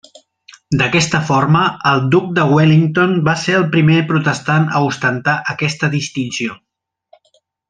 D'aquesta forma, el duc de Wellington va ser el primer protestant a ostentar aquesta distinció.